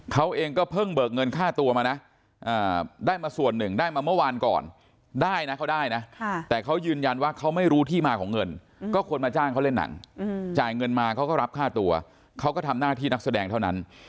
เขาเองก็เพิ่งเบิกเงินค่าตัวมานะได้มาส่วนหนึ่งได้มาเมื่อวานก่อนได้นะเขาได้นะแต่เขายืนยันว่าเขาไม่รู้ที่มาของเงินก็คนมาจ้างเขาเล่นหนังจ่ายเงินมาเขาก็รับค่าตัวเขาก็ทำหน้าที่นักแสดงเท่านั้น